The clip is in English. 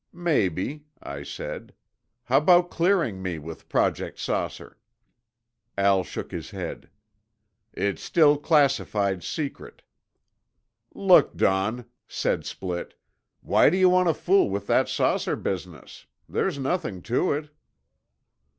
"Maybe," I said. "How about clearing me with Project 'Saucer'?" Al shook his head. "It's still classified secret." "'Look, Don," said Splitt, "why do you want to fool with that saucer business? There's nothing to it."